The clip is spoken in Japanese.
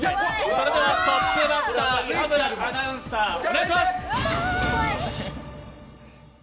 それでは、トップバッター田村アナウンサー、お願いします。